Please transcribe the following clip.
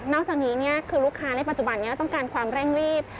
จากนี้คือลูกค้าในปัจจุบันนี้ต้องการความเร่งรีบ